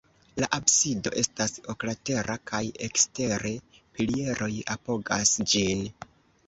La absido estas oklatera kaj ekstere pilieroj apogas ĝin.